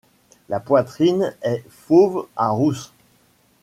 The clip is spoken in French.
La poitrine est fauve à rousse.